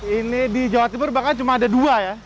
ini di jawa timur bahkan cuma ada dua ya